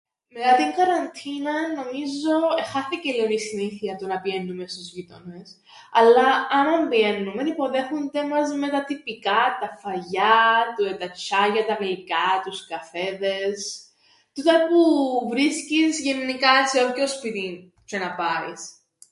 Μετά την καραντίναν νομίζω εχάθηκεν λλίον η συνήθεια του να πηαίννουμε στους γείτονες, αλλά άμαν πηαίννουμεν υποδέχουνται μας με τα τυπικά, τα φαγιά, τούτα τα τσ̆άγια, τα γλυκά, τους καφέδες, τούτα που βρίσκεις γεννικά σε όποιον σπίτιν τζ̆αι να πάεις.